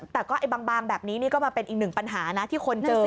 แต่ก็ไอ้บางแบบนี้นี่ก็มาเป็นอีกหนึ่งปัญหานะที่คนเจอ